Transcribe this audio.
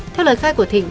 theo lời khai của thịnh